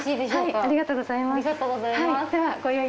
ありがとうございます。